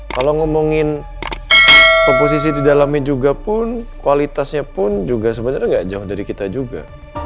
kalau ngomongin komposisi di dalamnya juga pun kualitasnya pun juga sebenarnya gak jauh dari kita juga